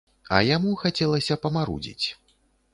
А яму хацелася памарудзіць.